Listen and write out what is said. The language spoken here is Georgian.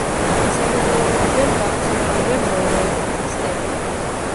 მცენარეულობიდან გავრცელებულია მეორეული მთის სტეპი.